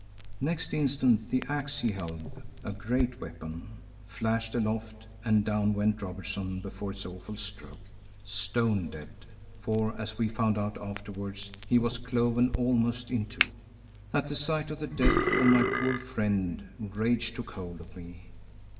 Next instant the axe he held, a great weapon, flashed aloft and down went Robertson before its awful stroke, stone dead, for as we found out afterwards, he was cloven almost in two. At the sight of the death of my poor friend rage took hold of me.